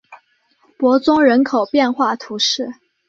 伯宗人口变化图示